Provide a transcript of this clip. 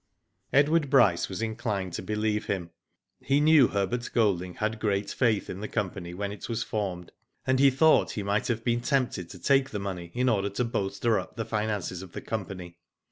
Edward Bryce was inclined to believe him. He knew Herbert Golding had great faith in the company when it was formed, and he thought Digitized byGoogk 234 ^^0 DID ITf he might have been tempted to take the money in order to bolster up the finances of the company.